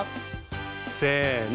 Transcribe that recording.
せの。